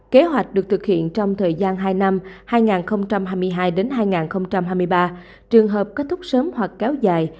kế hoạch được thực hiện trong thời gian hai năm hai nghìn hai mươi hai hai nghìn hai mươi ba trường hợp kết thúc sớm hoặc kéo dài